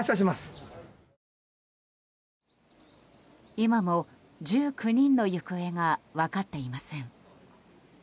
今も１９人の行方が分かっていません。